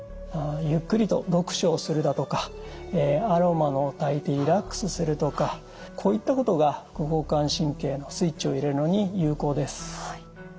ゆっくりと読書をするだとかアロマをたいてリラックスするとかこういったことが副交感神経のスイッチを入れるのに有効です。